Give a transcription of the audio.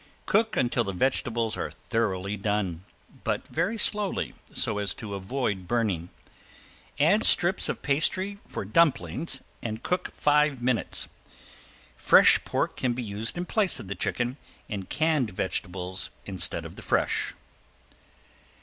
Cook until the vegetables are thoroughly done, but very slowly, so as to avoid burning. Add strips of pastry for dumplings and cook five minutes. Fresh pork can be used in place of the chicken and canned vegetables instead of the fresh.